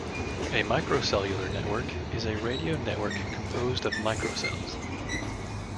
A microcellular network is a radio network composed of microcells.